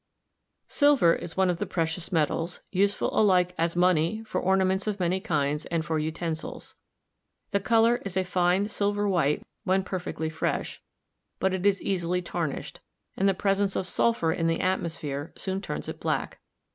Silver is one of the precious metals, useful alike as money, for ornaments of many kinds, and for utensils. The color is a fine silver white when perfectly fresh, but it is easily tarnished, and the presence of sulphur in the atmos phere soon turns it black.